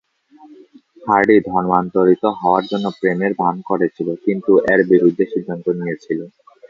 Hardy ধর্মান্তরিত হওয়ার জন্য প্রেমের ভান করেছিল, কিন্তু এর বিরুদ্ধে সিদ্ধান্ত নিয়েছিল।